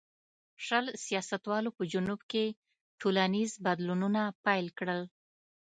شل سیاستوالو په جنوب کې ټولنیز بدلونونه پیل کړل.